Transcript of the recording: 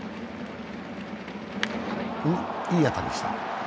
いい当たりした。